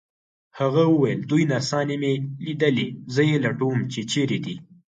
هغه وویل: دوې نرسانې مي لیدلي، زه یې لټوم چي چیري دي.